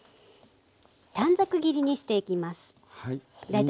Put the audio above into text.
短冊切りにしていきます。